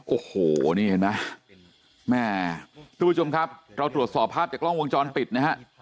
โอ้โหนี่เห็นไหมแม่ทุกผู้ชมครับเราตรวจสอบภาพจากกล้องวงจรปิดนะฮะ